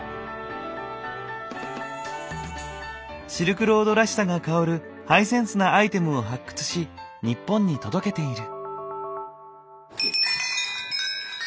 シルクロードらしさが香るハイセンスなアイテムを発掘し日本に届けている。